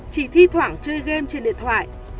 chỉ thi thoảng chơi game trên điện thoại